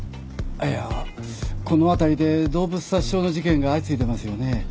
いやこの辺りで動物殺傷の事件が相次いでますよね。